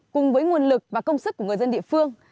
cùng với nguồn lực và công sức của người dân địa phương